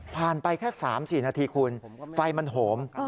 ไปแค่๓๔นาทีคุณไฟมันโหม